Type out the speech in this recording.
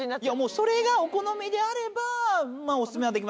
それがお好みであればお薦めはできますね。